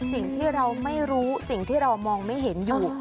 สิ่งที่เราไม่รู้สิ่งที่เรามองไม่เห็นอยู่